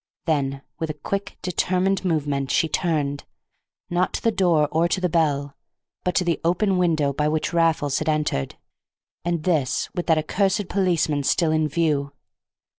Then, with a quick, determined movement she turned, not to the door or to the bell, but to the open window by which Raffles had entered; and this with that accursed policeman still in view.